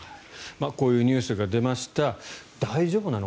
こういうニュースが出ました大丈夫なの？